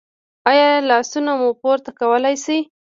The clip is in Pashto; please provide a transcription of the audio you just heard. ایا لاسونه مو پورته کولی شئ؟